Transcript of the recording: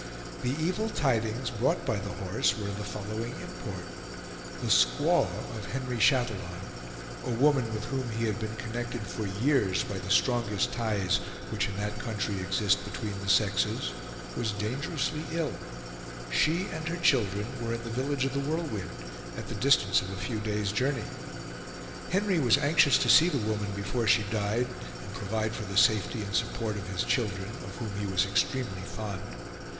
The evil tidings brought by The Horse were of the following import: The squaw of Henry Chatillon, a woman with whom he had been connected for years by the strongest ties which in that country exist between the sexes, was dangerously ill. She and her children were in the village of The Whirlwind, at the distance of a few days' journey. Henry was anxious to see the woman before she died, and provide for the safety and support of his children, of whom he was extremely fond.